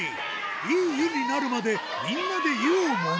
いい湯になるまで、みんなで湯をもむ。